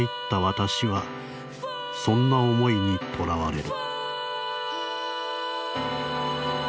私はそんな思いにとらわれる」。